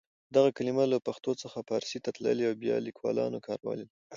دغه کلمه له پښتو څخه پارسي ته تللې او بیا لیکوالانو کارولې ده.